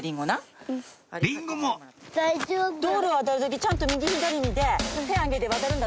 道路渡る時ちゃんと右左見て手上げて渡るんだぞ。